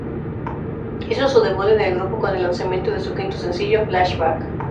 Hizo su debut en el grupo con el lanzamiento de su quinto sencillo "Flashback".